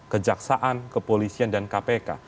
kejaksaan kepolisian dan kpk